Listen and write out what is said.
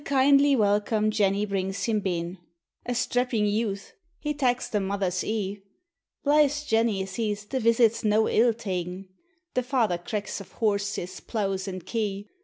303 ' WV kindly welcome, Jenny brings him ben; A strappiu' youth ; he taks the mothers e'e; Blithe Jenny sws the visit 's no ill ta'en; The father cracks of horses, pleugks, and kye.